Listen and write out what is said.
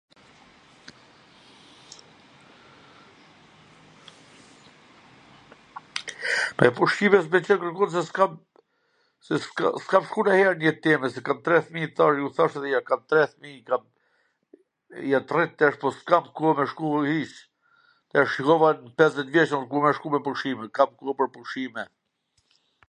Me pushime s mw pwlqen kurrkund se s kam, se s kam shku ndonjher nw jet time, se kam tre fmij, tw thash, ju thash edhe nj her, kam tre fmij, jan t rrit tash po s kam ku me shku hiC, e shkova pesdhet vjeC un, ku me shku, kam koh pwr pushime?